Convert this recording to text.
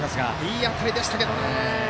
いい当たりでしたけどね。